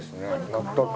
全く。